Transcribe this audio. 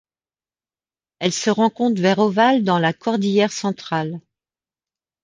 Elle se rencontre vers Ovalle dans la cordillère Centrale.